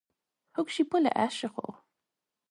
Thug sí buile aisteach dhó.